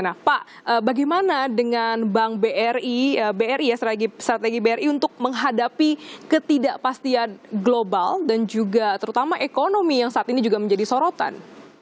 nah pak bagaimana dengan bank bri ya strategi bri untuk menghadapi ketidakpastian global dan juga terutama ekonomi yang saat ini juga menjadi sorotan